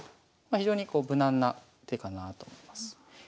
非常にこう無難な手かなと思います。